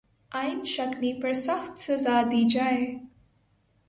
آئین شکنی پر سخت سزا دی جائے